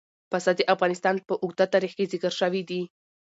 پسه د افغانستان په اوږده تاریخ کې ذکر شوي دي.